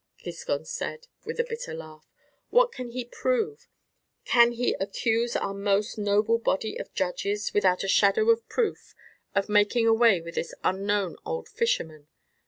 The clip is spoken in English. Giscon said with a bitter laugh. "What can he prove? Can he accuse our most noble body of judges, without a shadow of proof, of making away with this unknown old fisherman.